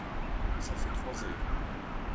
Ça fait trois airs.